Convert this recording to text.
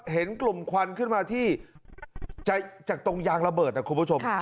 เห็นกลุ่มควันขึ้นมาที่จากตรงยางระเบิดนะคุณผู้ชม